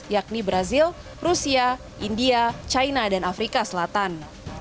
yakni brazil rusia india china dan afrika selatan